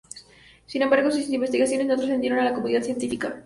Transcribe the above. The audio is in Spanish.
Sin embargo sus investigaciones no trascendieron a la comunidad científica.